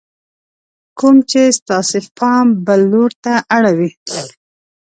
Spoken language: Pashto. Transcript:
کوم چې ستاسې پام بل لور ته اړوي :